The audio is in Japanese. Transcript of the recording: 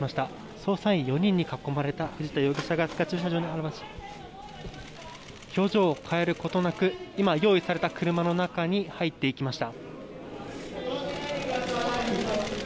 捜査員４人に囲まれた藤田容疑者が表情を変えることなく用意された車の中に入っていきました。